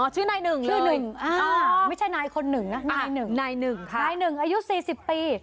อ๋อชื่อนายหนึ่งเหรออ๋อนายหนึ่งค่ะนายหนึ่งอายุ๔๐ปี